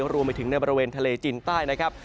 รวมไปถึงในบริเวณทะเลจีนใต้นะครับ